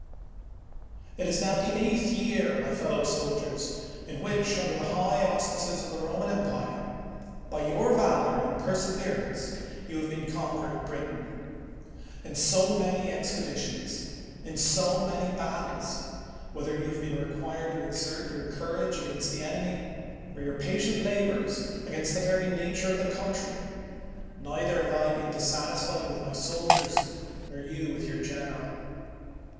It is now the eighth year, my fellow soldiers, in which, under the high auspices of the Roman em pire, by your valor and perseverance you have been conquering Britain. In so many expeditions, in so many battles, whether you have been re quired to exert your courage against the enemy, or your patient labors against the very nature of the country, neither have I ever been dissatisfied with my soldiers, nor you with your general.